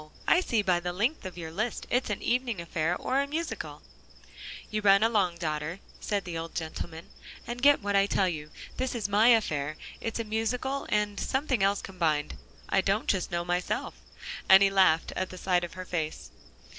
I see by the length of your list it's an evening affair, or a musicale." "You run along, daughter," said the old gentleman, "and get what I tell you. This is my affair; it's a musicale and something else combined. I don't just know myself." And he laughed at the sight of her face.